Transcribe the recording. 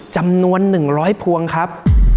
จำนวน๑๐๐พวงครับ